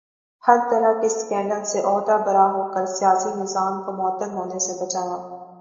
ہر طرح کے سکینڈل سے عہدہ برا ہو کر سیاسی نظام کو معطل ہونے سے بچایا